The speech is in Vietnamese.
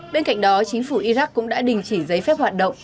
bên cạnh đó chính phủ iraq cũng đã đình chỉ giấy phép hoạt động